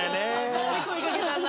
何で声掛けたんだろ？